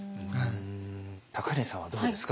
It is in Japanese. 高柳さんはどうですか？